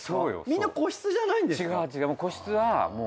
みんな個室じゃないんですか？